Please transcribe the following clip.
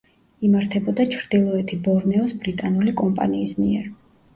იმართებოდა ჩრდილოეთი ბორნეოს ბრიტანული კომპანიის მიერ.